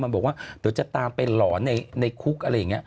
มันบอกว่าเดี๋ยวจะตามไปหลอนในคุกอะไรอย่างนี้